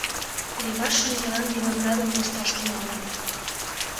Леваш шеҥгелан виноградым кушташ тӱҥалам.